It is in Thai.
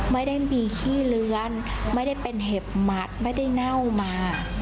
ไม่ได้มีขี้เลือนไม่ได้เป็นเห็บหมัดไม่ได้เน่ามา